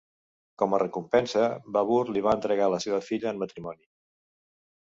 Com a recompensa, Babur li va entregar la seva filla en matrimoni.